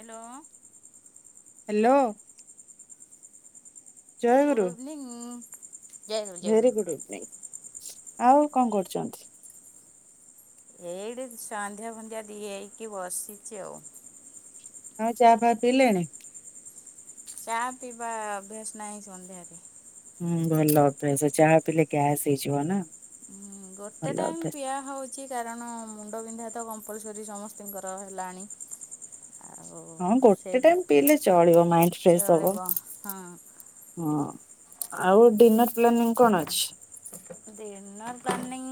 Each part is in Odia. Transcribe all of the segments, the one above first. ହଲୋ ହ୍ୟାଲୋ, ଜୟଗୁରୁ। Good evening. ଜୟଗୁରୁ ଭେରି ଜୟଗୁରୁ। Good evening. ଆଉ କଣ କରୁଛନ୍ତି? ଏଇଡେ ସନ୍ଧ୍ୟା ଫନ୍ଧ୍ୟା ଦେଇକି ବସିଛି ଆଉ। ଆଉ ଚା ଫାହା ପିଇଲେଣି? ଚା ପିଇବା ଅଭ୍ୟାସ ନାହିଁ ସନ୍ଧ୍ୟାରେ। ହୁଁ ଭଲ ଅଭ୍ୟାସ, ଚାହା ପିଲଲେ ଗ୍ୟାସ୍ ହେଇଯିବ ନା। ହଁ ଗୋଟେ ଭଲ ଟାଇମ୍ ଅଭ୍ୟାସ। ପିଆ ହଉଛି। କି କାରଣ ମୁଣ୍ଡ ବିିନ୍ଧା ତ କମ୍ପଲସରୀ ସମସ୍ତଙ୍କର ହେଲାଣି। ଆଉ ହଁ ଗୋଟେ ସେଇଟା ଟାଇମ ପିଇଲେ ଚଳିବ ମାଇଣ୍ଡ ଫ୍ରେଶ ହବ। ଚଳିବ ହଁ। ହଁ ଆଉ ଡିନର୍ ପ୍ଲାନିଂ କଣ ଅଛି? ଦିନର ପ୍ଲାନିଂ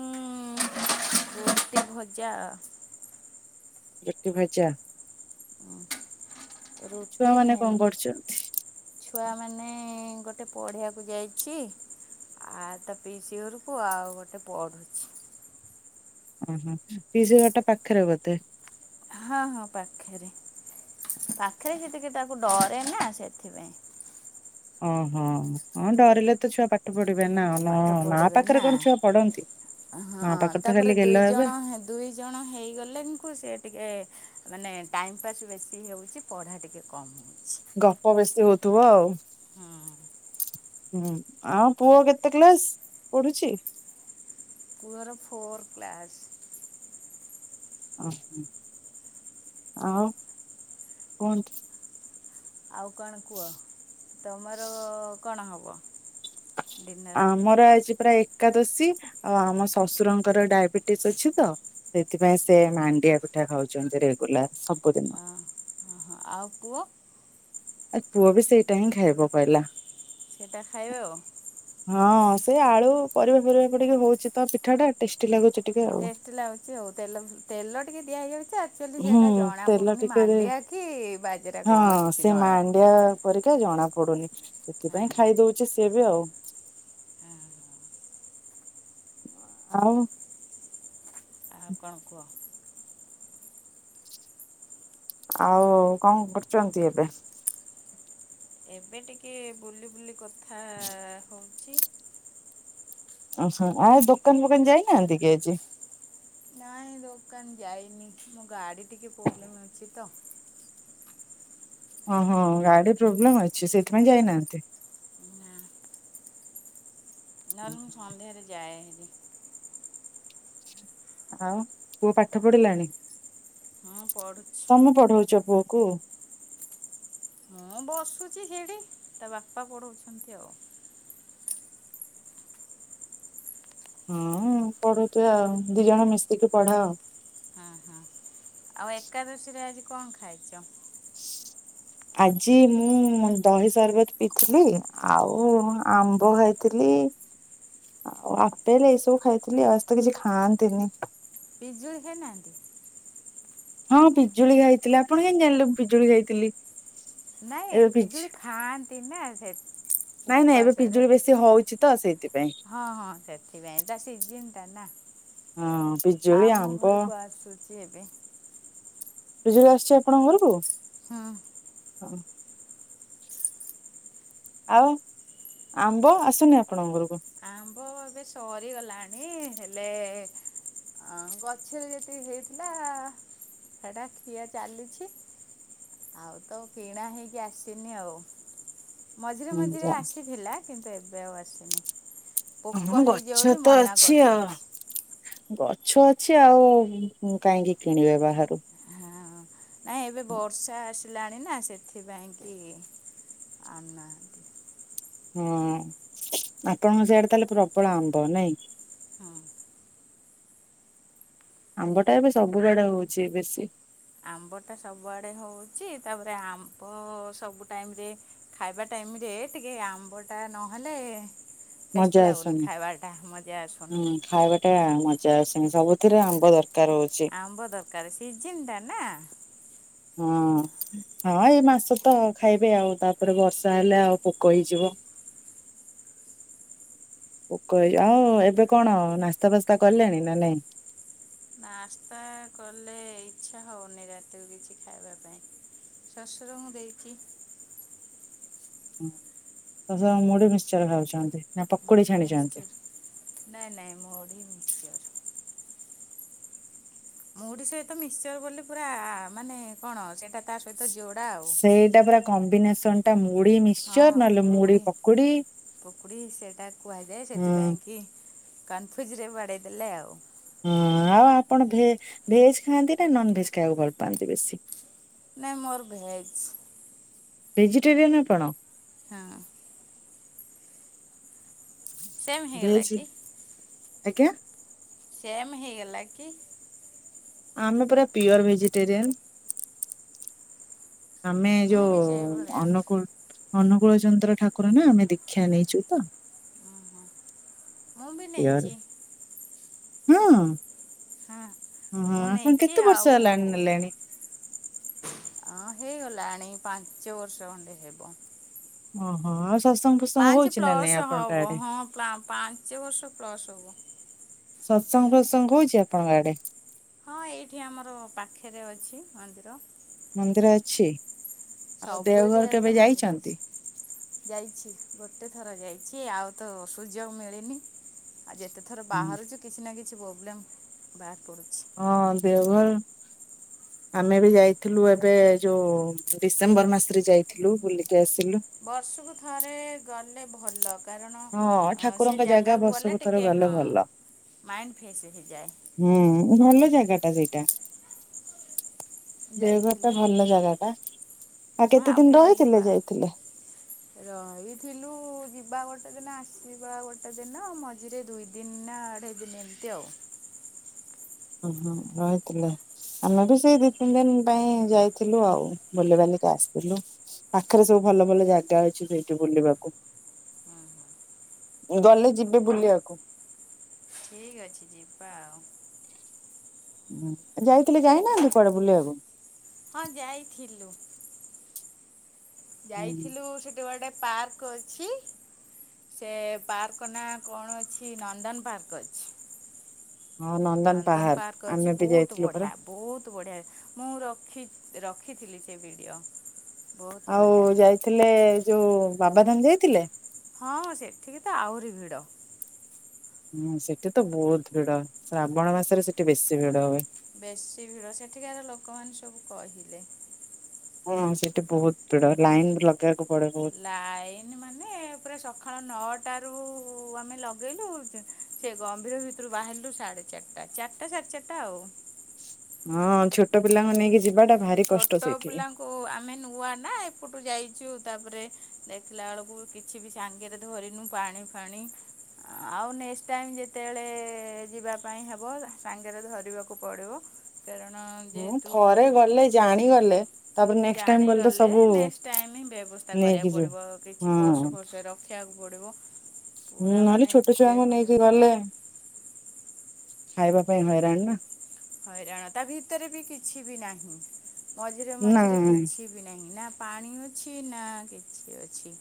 ରୋଟି ଭଜା। ରୁଟି ଭଜା! ରୁଟି ଭେ ଛୁଆମାନେ କଣ କରୁଛନ୍ତି? ଛୁଆମାନେ ଗୋଟେ ପଢ଼ିବାକୁ ଯାଇଛି। ଆ ତା ପିସି ଘରକୁ, ଆଉ ଗୋଟେ ପଢୁଛି। ଓହୋ ପିସିଘରଟା ପାଖରେ ବୋଧେ। ହଁ ହଁ ପାଖରେ, ପାଖରେ ସେତିକି ତାକୁ ଡରେ ନା ସେଥିପାଇଁ। ଓହଁ ହଁ ଡରିଲେ ତ ଛୁଆ ପାଖ ପଡିବେ ନା ପାଠ ନା ପଢ଼ିବେ ପାଖରେ କଣ ଛୁଆ ପଡନ୍ତି? ହଁ ତାପରେ ଦୁଇ ଜଣ ଦୁଇ ଜଣ ହେଇଗଲେଙ୍କୁ ସେ ଟିକେ ମାନେ ଟାଇମ୍ ପାସ୍ ବେଶୀ ହେଉଛି ପଢ଼ା ଟିକେ କମ୍। ଗପ ବେଶୀ ହଉଥିବ ଆଉ। ହୁଁ ହୁଁ, ଆଉ ପୁଅ କେତେ କ୍ଲାସ ପଢୁଛି? ପୁଅର ଫୋର୍ଥ କ୍ଲାସ୍। ଓହୋ ଆଉ କୁହନ୍ତୁ? ଆଉ କଣ କୁହ ତମର କଣ ହେବ? ଡିନର୍ ଆମର ଆଜି, ପୁରା ଏକାଦଶୀ, ଆଉ ଆମ ଶଶୁରଙ୍କର ଡାଇବେଟିସ ଅଛି ତ ଏଥିପାଇଁ ସେ ମାଣ୍ଡିଆ ପିଠା ଖାଉଛନ୍ତି ରେଗୁଲାର ସବୁଦିନ। ଆଉ ପୁଅ? ଆ ପୁଅ ବି ସେଇଟା ହିଁ ଖାଇବ କହିଲା। ସେଇଟା ଖାଇବେ ଆଉ। ହଁ ସେଇ ଆଳୁ ପରିବା ଫରିବା ପଡ଼ିକି ହଉଚିତ ପିଠାଟା ଟେଷ୍ଟି ଲାଗୁଚି ଟିକେ ଆଉ। ଟେଷ୍ଟ ଲାଗୁଛି ଆଉ ତେଲ ତେଲ ଟିକେ ଦିଆ ହେଇଯାଉଛି ଆ ଆଚୁଆଲି ହୁଁ ସେଇଟା ତେଲ ଜଣାପଡୁନି ଟିକେ ଦେ ମାଣ୍ଡିଆ କି ବାଜରା ହଁ କଣ କିଛି ସେ ଜଣାପଡୁନି। ମାଣ୍ଡିଆ ପରିକା ଜଣା ପଡୁନି ସେଥିପାଇଁ ଖାଇଦଉଛି ସିଏ ବି ଆଉ। ହଁ ହଉ। ଆଉ କଣ କୁହ? ଆଉ କଣ କରୁଛନ୍ତି ଏବେ? ଏବେ ଟିକେ ବୁଲି ବୁଲି କଥା ହଉଛି। ଓହୋ ଆ ଦୋକାନ ଫୋକାନ ଯାଇନାହାନ୍ତି କି ଆଜି? ନାଇଁ ଦୋକାନ ଯାଇନି ମୋ ଗାଡ଼ି ଟିକେ ପ୍ରୋବ୍ଲେମ୍ ଅଛି ତ। ଓହୋ ଗାଡି ପ୍ରୋବ୍ଲେମ ଅଛି ସେଇଥିପାଇଁ ଯାଇନାହାନ୍ତି? ନା ନହେଲେ ମୁଁ ସନ୍ଧ୍ୟାରେ ଯାଏ ନି। ଆଉ ପୁଅ ପାଠ ପଢିଲାଣି? ହଁ ପଢୁଛି। ତମେ ପଢଉଛ ପୁଅକୁ? ମୁଁ ବସୁଛି ସେଠି ତା ବାପା ପଢଉଛନ୍ତି ଆଉ। ହଁ ପଢୁଥିବେ ଆଉ ଦି ଜଣ ମିଶିକି ପଢାଅ? ହଁ ହଁ ଆଉ ଏକାଦଶୀରେ ଆଜି କଣ ଖାଇଛ? [unintelligible] ଆଜି ମୁଁ ଦହି ସରବତ ପିଇଥିଲି ଆଉ ଆମ୍ବ ଖାଇଥିଲି। [unintelligible] ଆଉ ଆପେଲ ଏଇସବୁ ଖାଇଥିଲି ଆଜ ତ କିଛି ଖାଆନ୍ତିନି। ପିଜୁଳି ଖାଇନାହାଁନ୍ତି? ହଁ ପିଜୁଳି ଖାଇଥିଲି ଆପଣ କେମିତି ଜାଣିଲେ ମୁଁ ପିଜୁଳି ଖାଇଥିଲି? ନାଇଁ ଏବେ ପିଜୁ ପିଜୁଳି ଖାଆନ୍ତି ନା ସେଥି ନାଇଁ ନାଇଁ ଏବେ ପିଜୁଳି ବେଶୀ ହଉଛି ତ ସେଇଥିପାଇଁ। ହଁ ହଁ ସେଥିପାଇଁ ତ ସିଜିନ୍ ଟା ନା ହଁ ପିଜୁଳି ଆମ ଆମ୍ବ ଘରକୁ ଆସୁଛି ସିଏବେ। ପିଜୁଳି ଆସୁଛି ଆପଣଙ୍କ ଘରକୁ? ହଁ। ହଁ। ଆଉ ଆମ୍ବ ଆସୁନି ଆପଣ ଘରକୁ? ଆମ୍ବ। ଆମ୍ବ ଏବେ ସରି ଗଲାଣି ହେଲେ ଆ ଗଛରେ ଜେତିକି ହେଇଥିଲା ହେଟା ଖିଆ ଚାଲିଛି। ଆଉ ତ କିଣା ହେଇକି ଆସିନି ଆଉ। ମଝିରେ ମଝିରେ ଯା ଆସିଥିଲା କିନ୍ତୁ ଏବେ ଆଉ ଆସୁନି। ହଁ ମ ଗଛ ତ ଅଛି ଆଉ। କରୁଛନ୍ତି। ଗଛ ଅଛି ଆଉ କାହିଁକି କିଣିବେ ବାହାରୁ। ହଁ ନାଇଁ ଏବେ ବର୍ଷା ଆସିଲାଣି ନା ସେଥିପାଇଁ କି ଆଉ ନା ହଁ ଆପଣଙ୍କ ସିଆଡେ ତାହେଲେ ପ୍ରବଳ ଆମ୍ବ ନାଇଁ? ହଁ। ଆମ୍ବ ଟା ଏବେ ସବୁଆଡେ ହଉଛି ବେଶୀ ଆମ୍ବଟା ସବୁଆଡେ ହଉଛି ତାପରେ ଆମ୍ବ ସବୁ ଟାଇମରେ ଖାଇବା ଟାଇମ ରେ ଟିକେ ଆମ୍ବ ଟା ନହେଲେ ମଜା ଟେଷ୍ଟି ଲାଗୁନି ଆସୁନି। ଖାଇବାଟା ମଜା ଆସୁନି। ହୁଁ ଖାଇବାଟା ମଜା ଆସୁନି ସବୁଥିରେ ଆମ୍ବ ଦରକାର ହଉଛି। ଆମ୍ବ ଦରକାର ସିଜିନଟା ନା। ହଁ। ହଁ ଏଇ ମାସ ତ ଖାଇବେ ଆଉ ତାପରେ ବର୍ଷା ହେଲେ ଆଉ ପୋକ ହେଇଯିବ। [unintelligible] ପୋକ ହେଇଯିବ ଆଉ ଏବେ କଣ ନାସ୍ତା ଫାସ୍ତା କଲେଣି ନା ନାଇଁ? ନାସ୍ତା କଲେ ଇଚ୍ଛା ହଉନି ରାତିକୁ କିଛି ଖାଇବା ପାଇଁ। ଶ୍ଵଶୂରଙ୍କୁ ଦେଇକି ହୁଁ ଶଶୁର ମୁଢ଼ି ମିକ୍ସଚର ଖାଉଛନ୍ତି ନା ପକୁଡି ମୁଢ଼ି ମିକ୍ସଚର ଛାଣିଛନ୍ତି? ନାଇଁ ନାଇଁ ମୁଢି ମିକ୍ସଚର। ମୁଢ଼ି ସହିତ ମିକ୍ସଚର ବୋଲି ପୁରା ମାନେ କଣ ସେଟା ତା ସହିତ ଯୋଡ଼ା ଆଉ ସେଇଟା ପୁରା କମ୍ବିନେସନ ଟା ମୁଢ଼ି ମି ହଁ ମୁଢି ପକୁଡ଼ି ସେଇଟା କୁହାଯାଏ ହୁଁ ସେଥିପାଇଁ କି କନଫ୍ୟୁଜ ରେ ବାଡ଼େଇ ଦେଲେ ଆଉ। ହଁ ଆଉ ଆପଣ ଭେ ଭେଜ ଖାଆନ୍ତି ନା ନନଭେଜ ଖାଇବାକୁ ଭଲ ପାଆନ୍ତି ବେଶୀ? ନାଇଁ ମୋର ଭେଜ୍। ଭେଜିଟେରିୟାନ୍ ଆପଣ। ହଁ। ସେମ୍ ହେଇଗଲା ଭେଜ କି ଆଜ୍ଞା। ସେମ୍ ହେଇଗଲା କି? ଆମେ ପୁରା ପିଓର ଭେଜିଟେରିୟାନ। ଆମେ ମୁଁ ବି ଯୋଉ ସେଇଭଳିଆ। ଅନୁକୁଳ ଅନୁଗୂଳ ଚନ୍ଦ୍ର ଠାକୁର ନା ଆମେ ଦୀକ୍ଷା ନେଇଛୁ ତ। ମୁଁ ବି ଗାଁ ନେଇଛି ରେ କିଅଣ ହଁ ହଁ ଆପଣ କେତେ ବର୍ଷ ହେଲାଣି ନେଲେଣି? ଅ ହେଇଗଲାଣି ପାଞ୍ଚ ବର୍ଷ ଖଣ୍ଡେ ହେବ। ଓହୋ ଆଉ ଶାଶଙ୍ଗ ପାଞ୍ଚ ପ୍ଲସ୍ ହବ ହଁ ପା ପାଞ୍ଚ ବର୍ଷ ପ୍ଲସ୍ ହବ। ସତ୍ସଙ୍ଗ ପ୍ରତ୍ସଙ୍ଗ ହଉଛି ଆପଣଙ୍କ ଆଡେ? ହଁ ଏଇଠି ଆମର ପାଖରେ ଅଛି ମନ୍ଦିର। ମନ୍ଦିର ଅଛି ଆଉ ସବୁ ଦେଓଘର ଏରିଆରେ ତ କେବେ ମନ୍ଦିର ଅଛି ଯାଇଛନ୍ତି? ଯାଇଛି ଗୋଟେ ଥର ଯାଇଛି ଆଉ ତ ଅ ସୁୁଯୋଗ ମିଳିନି ଆଉ ଯେତେ ଥର ବାହାରୁଛି କିଛି ନା କିଛି ପ୍ରୋବ୍ଲେମ୍ ବାହାରି ପଡ଼ୁଛି। ହଁ ଦେଓଗର ଆମେ ବି ଯାଇଥିଲୁ ଏବେ ଯୋଉ ଡିସେମ୍ବର ମାସରେ ଯାଇଥିଲୁ ବୁଲିକି ଆସିଲୁ। ବର୍ଷକୁ ଥରେ ଗଲେ ଭଲ। କାରଣ ହଁ ସେ ଠାକୁରଙ୍କ ଜାଗା ଜାଗାକୁ ଗଲେ ବର୍ଷକୁ ଥରେ ଟିକିଏ ଗଲେ ହଁ ଭଲ। ମାଇଣ୍ଡ ଫ୍ରେଶ ହେଇଯାଏ। ହୁଁ ଭଲ ଜାଗା ଟା ସେଇଟା। ଦେଓଗଡ ଟା ଯାଇଥିଲି ଭଲ ଜାଗା ଟା, ଆଉ ହଁ କେତେ ଦିନ କେବେ ରହିଥିଲେ ଯିବା। ଯାଇଥିଲେ? ରହିଥିଲୁ ଯିବା ଗୋଟେ ଦିନ ଆସିବା ଗୋଟେ ଦିନ ମ ଆଜିରେ ଦୁଇ ଦିନ ନା ଅଢ଼େଇ ଦିନ ଏମିତି ଆଉ। ଉଁ ହୁଁ ରହିଥିଲେ। ଆମେ ବି ସେଇ ଦି ତିନି ଦିନି ପାଇଁ ଯାଇଥିଲୁ ଆଉ ବୁଲିିବାଲିକି ଆସିଥିଲୁ। ପାଖେରେ ସବୁ ଭଲ ଭଲ ଜାଗା ଅଛି ସେଇଠି ବୁଲିବାକୁ। ହୁଁ ଗଲେ ଯିବେ ବୁଲିଆକୁ। ଠିକ ଅଛି ଯିବା ଆଉ। ହୁଁ ଯାଇଥିଲେ ଯାଇ ନାହାନ୍ତି କୁଆଡେ ବୁଲିଆକୁ। ହଁ ଯାଇଥିଲୁ। ଯାଇଥିଲୁ ସେଠି ଗୋଟେ ପାର୍କ ର୍କ ଅଛି ସେ ପାର୍କ ନାଁ କଣ ଅଛି ନନ୍ଦନ ପାର୍କ ଅଛି। ହଁ ନନ୍ଦନ ପାହାର ପାର୍କ ଆମେ ଅଛି ବି ବହୁତ ଯାଇଥିଲୁ ପରା ବଢ଼ିଆ। ବହୁତ ବଢ଼ିଆ ମୁଁ ରଖି ରଖିଥିଲି ସେ ଭିଡ଼ିଓ। ବହୁତ ଆଉ ବଢ଼ିଆ। ଯାଇଥିଲେ ଏ ଯୋଉ ବାବା ଧାମ ଯାଇଥିଲେ? ହଁ ସେଠିକି ତ ଆହୁରି ଭିଡ଼। ହୁଁ ସେଠି ତ ବହୁତ ଭିଡ ଶ୍ରାବଣ ମାସରେ ସେଠି ବେଶୀ ଭିଡ ହୁଏ। ବେଶୀ ଭିଡ଼ ସେଠିକାର ଲୋକମାନେ ସବୁ କହିଲେ। ହଁ ସେଠି ବହୁତ ଭିଡ ଲାଇନ ଲ ବାକୁ ପଡେ ବହୁତ୍ - ଲାଇନ ମାନେ ପୁରା ସକାଳ ନଅଟାରୁ ଆମେ ଲଗେଇଲୁ - ସେ ଗମ୍ଭୀର ଭିତୁରୁ ବାହାରିଲୁ ସାଢେ ଚାରିଟା, ଚାରିଟା ସାଢେ ଚାରିଟା ଆଉ। ହଁ ଛୋଟ ପିଲାଙ୍କୁ ନେଇକି ଯିବି ଛୋଟ ପିଲାଙ୍କ - ଓ ଓ ଆମେ ନୂଆ ନା ଏପଟୁ ଯାଇଚୁ ତାପରେ ଦେଖିଲା ବେଳକୁ କି କିଛି ବି ସାଙ୍ଗେରେ ଧରିନୁ ପାଣି ଫାଣି - ଆଉ ନେକ୍ସଟ ଟାଇମ୍ ଯେତେଏଳେ ଯିବା ପାଇଁ ହେବ ସାଙ୍ଗେରେ ଧରିବାକୁ ପଡ଼ିବ କାରଣ ହଁ ଯେହେତୁ ଥରେ ଗଲେ ଜାଣିଗଲେ- ତାପରେ ନେକ୍ସଟ ଟାଇମ ଗଲେ ତ ଜାଣିଗଲେ ସବୁ ନେକ୍ସଟ ଟାଇମ ବ୍ୟବସ୍ଥା ନେଇକି କରିବାକୁ ଯିବେ ପଡିବ କିଛି ହଁ ପର୍ସ ଫର୍ସ ର ଖିଆକୁ ପଡ଼ିବ- ହଁ ପୁରା ନହେଲେ ମାନେ ଛୋଟ ଏତେ ଛୁଆଙ୍କୁ ଘଣ୍ଟା ନେଇକି ଗଲେ ଖାଇବା ପାଇଁ ହଇରାଣ ନା ହଇରାଣ ତା ଭିତରେ ବି କିଛି ବି ନାହିଁ ମଝିରେ ନା ମଝିରେ କିଛି [unintelligible] ନାହିଁ ନା ପାଣି ଅଛି ନା କିଛି ଅଛି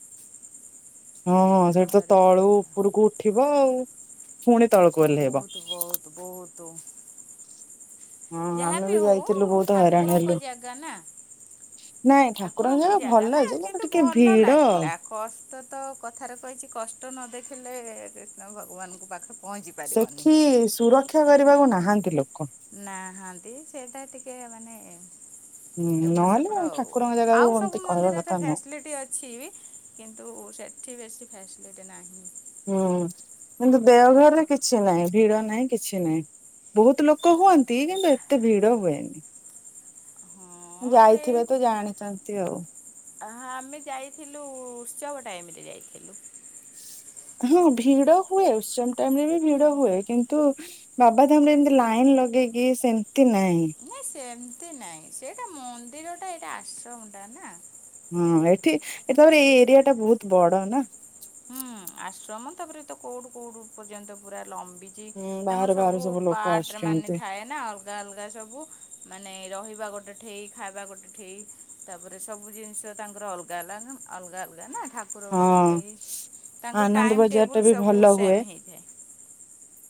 ହଁ ହଁ ବହୁତ ସେଇଟୁ ତ ହଇରାଣ ତଳୁ ହେଇଗଲା ଉପୁରକୁ ଉଠିବ ଆଉ ପୁଣି ତଳକୁ ଓହ୍ଲେଇବ ବହୁତ ବହୁତ ବହୁତ ହଁ ଆମେ ଯାହାବି ବି ଯାଇଥିଲୁ ହଉ ବହୁତ ହଇରାଣ ଠାକୁରଙ୍କ ହେଲୁ ଜାଗା ନା- ନାଇଁ ଠାକୁରଙ୍କ ଜାଗା ଭଲ ନା ଯେ କିନ୍ତୁ ଟିକେ ଭଲ ଭିଡ ଲାଗିଲା। କଷ୍ଟ ତ କଥାରେ କହିଛି କଷ୍ଟ ନ ଦେଖିଲେ କ୍ରିଷ୍ଣ ଭଗବାନଙ୍କୁ ପାଖ ସେଠି ସୁରକ୍ଷା କରିବାକୁ ନାହାନ୍ତି ଲୋକ ନାହାନ୍ତି ସେଇଟା ଟିକେ ମାନେ ହୁଁ ଏପଟ ନହେଲେ ସେପଟ ଆଉ ଠାକୁରଙ୍କ ଜାଗାକୁ ଆଉ ଏମତି ସବୁ କହିବା କଥା ମନ୍ଦିରରେ ନୁହଁ ଫ୍ୟାସିଲିଟି ଅ କିଛି ବି କିନ୍ତୁ ସେଠି ବେଶି ଫ୍ୟାସିଲିଟି ନାହିଁ। ହୁଁ କିନ୍ତୁ ଦେଓଘରରେ କିଛି ନାଇଁ ଭିଡ ନାହିଁ କିଛି ନାଇଁ। ବହୁତ ଲୋକ ହୁଅନ୍ତି କିନ୍ତୁ ଏତେ ଭିଡ ହୁଏନି। ହଁ ଯାଇଥିବେ ତ ଜାଣିଚନ୍ତି ଆଉ। ହ ଆମେ ଯାଇଥିଲୁ ଉତ୍ସବ ଟାଇମରେ ଯାଇଥିଲୁ। ହଁ ଭିଡ଼ ହୁଏ ଉତ୍ସମ୍ ଟାଇମରେ ବି ଭିଡ଼ ହୁଏ। କିନ୍ତୁ ବାବାଧାମରେ ଏମିତି ଲାଇନ ଲଗେଇକି ସେମିତି ନାହିଁ। ନାଇଁ ସେମିତି ନାଇଁ ସେଇଟା ମନ୍ଦିରଟା ଏଇଟା ଆଶ୍ରମଟା ନାଁ। ହଁ ଏଠି ଏଠି ତାପରେ ଏଇ ଏରିଆଟା ବହୁତ ବଡ଼ ନାଁ। ହଁ ଆଶ୍ରମ ତାପରେ ତ କୋଉଠୁ କୋଉଠୁ ପର୍ଯ୍ୟନ୍ତ ପୁରା ଲମ୍ବି ଚି ହୁଁ ତାଙ୍କର ବାହାରୁ ବାହାରୁ ସବୁ ଲୋକ ପାର୍ଟରେ ମାନେ ଆସୁଛନ୍ତି ଥାଏ। ନାଁ ଅଲଗା ଅଲଗା ସବୁ ମାନେ ରହିବା ଗୋଟେ ଠେଇ ଖାଇବା ଗୋଟେ ଠେଇ। ତାପରେ ସବୁ ଜିନିଷ ତାଙ୍କର ଅଲଗା ନାଁ ଅଲଗା ଅଲଗା ନାଁ। ଠାକ୍ ହଁ ତାଙ୍କ ଆନନ୍ଦ ଟାଇମ ବଜାର ଟା ଟେବୁଲ ବି ସବୁ ଭଲ ହୁଏ ସେମ୍ ହେଇଥାଏ।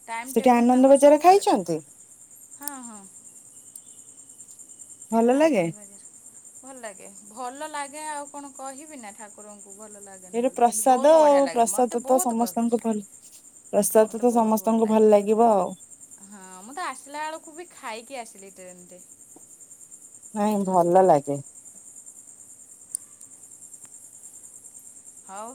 ଟାଇମ୍ ସେଠି ଟେବୁଲ୍ ଆନନ୍ଦ ତାଙ୍କର ବଜାର ସବୁ ଖାଇଛନ୍ତି କରେକ୍ଟ ହଁ ହଁ। ଭଲ ଲାଗେ। ଆନନ୍ଦବଜାର ଭଲ ଲାଗେ ଭଲ ଲାଗେ ଆଉ କଣ କହିବି ନାଁ ଠାକୁରଙ୍କୁ ଭଲ ଲା ଏଇଠି ପ୍ରସାଦ ଆଉ ପ୍ରସାଦ ତ ସମସ୍ତଙ୍କ ପସନ୍ଦ ଭଲ ପ୍ରସାଦ ମୋତେ ତ ବହୁତ ସମସ୍ତଙ୍କୁ ଲାଗେ ଭଲ ଲାଗିବ ଆଉ। ହଁ ମୁଁ ତ ଆସିଲା ବେଳକୁ ବି ଖାଇକି ଆସିଲି ଟ୍ରେନରେ। ନାଇଁ ଭଲ ଲାଗେ। ହଉ